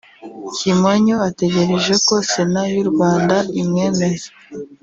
Kimonyo ategereje ko Sena y’u Rwanda imwemeza